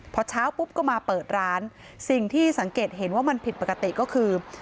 พอเช้าปุ๊บก็มาเปิดร้านสิ่งที่สังเกตเห็นว่ามันผิดปกติก็คือ